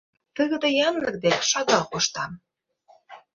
Тыгыде янлык дек шагал коштам...